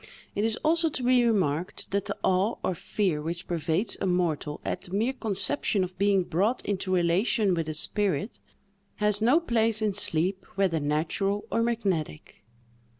It is also to be remarked that the awe or fear which pervades a mortal at the mere conception of being brought into relation with a spirit, has no place in sleep, whether natural or magnetic.